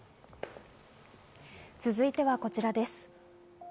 続いてはこちらです。